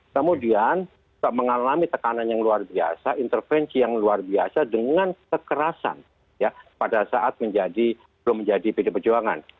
kemudian mengalami tekanan yang luar biasa intervensi yang luar biasa dengan kekerasan ya pada saat menjadi belum menjadi pdi perjuangan